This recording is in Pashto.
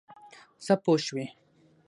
څه پوه شوې؟